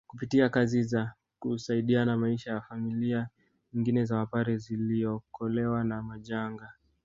Kupitia kazi za kusaidiana maisha ya familia nyingi za Wapare ziliokolewa na majanga